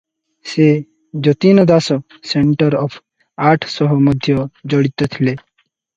ସେ Jatin Das centre of art ସହ ମଧ୍ୟ ଜଡ଼ିତ ଥିଲେ ।